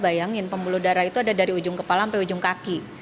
bayangin pembuluh darah itu ada dari ujung kepala sampai ujung kaki